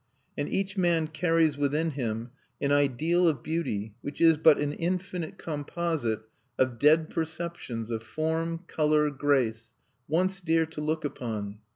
And each man carries within him an ideal of beauty which is but an infinite composite of dead perceptions of form, color, grace, once dear to look upon.